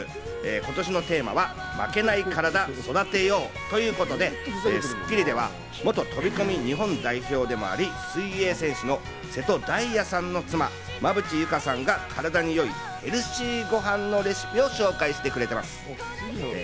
今年のテーマは「負けないカラダ、育てよう」ということで『スッキリ』では元飛び込み日本代表でもあり、水泳選手の瀬戸大也さんの妻・馬淵優佳さんがカラダに良いヘルシーごはんのレシピを紹介してくれています。